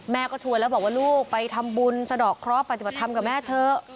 แม่ก็ชวนแล้วบอกว่าลูกไปทำบุญสะดอกเคราะห์ปฏิบัติธรรมกับแม่เถอะ